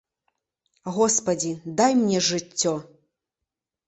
Госпадзі, дай мне жыццё!